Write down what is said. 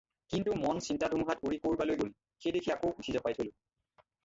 কিন্তু মন চিন্তা-ধুমুহাত উৰি কৰবালৈ গ'ল, সেই দেখি আকৌ পুথি জপাই থলে।